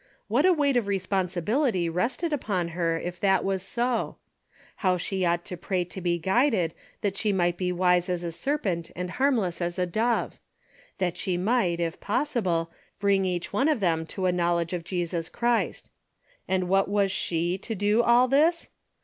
What a weight of responsibility rested upon her if that was so. How she ought to pray to be guided that she might be wise as a serpent and harmless as a dove ; that she might, if possible, bring each one of them to a knowledge of Jesus Christ. And what was she to do all this